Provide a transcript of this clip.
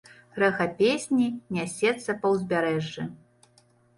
Рэха песні нясецца па ўзбярэжжы.